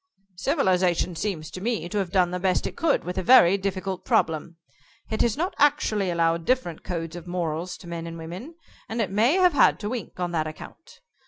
"Civilization seems to me to have done the best it could with a very difficult problem. It has not actually allowed different codes of morals to men and women, and it may have had to wink on that account.